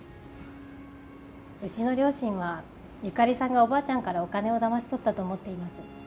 うちの両親はゆかりさんがおばあちゃんからお金をだまし取ったと思っています。